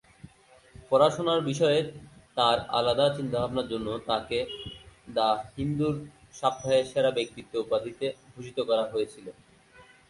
পড়াশোনার বিষয়ে তাঁর আলাদা চিন্তাভাবনার জন্য তাঁকে দ্য হিন্দুর "সপ্তাহের সেরা ব্যক্তিত্ব" উপাধিতে ভূষিত করা হয়েছিল।